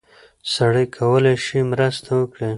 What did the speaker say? سړی کولی شي مرسته وکړي.